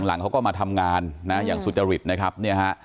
หลังเขาก็มาทำงานนะอย่างสุจริตนะครับเนี่ยฮะ